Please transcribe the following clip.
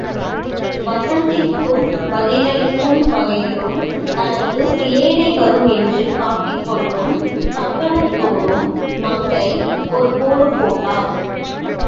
வசந்திக்குப் பதிலளிக்கும் வகையிலும், தனக்கு சிலேடை வரும் என்று காட்டிக் கொள்ளும் கங்கணத்தோடும் மங்கை, ஒரு போடு போட்டாள்.